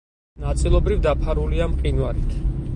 ნაწილობრივ დაფარულია მყინვარით.